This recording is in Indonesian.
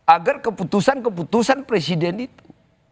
agar keputusan keputusan presiden itu